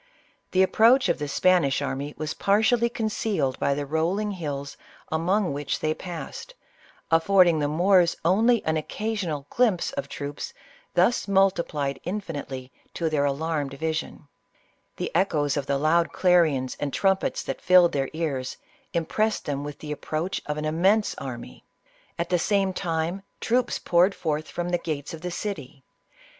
The approach of the Spanish army was partially concealed by the rolling hills among which they pass ed, affording the Moors only an occasional glimpse of troops thus multiplied infinitely to their alarmed vision ; the echoes of the loud clarions and trumpets that filled their ears, impressed them with the approach of an im mense army. At the same time troops poured forth* from the gates of the city.